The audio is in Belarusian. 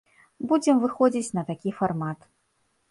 Будзем выходзіць на такі фармат.